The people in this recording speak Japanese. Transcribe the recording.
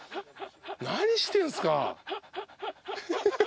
何してんすか。